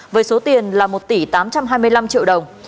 với số tiền là một tỷ tám trăm hai mươi năm triệu đồng